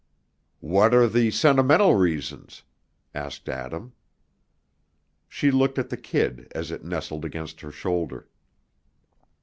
"What are the sentimental reasons?" asked Adam. She looked at the kid as it nestled against her shoulder.